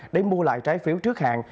để mua lại trái phiếu trước hạn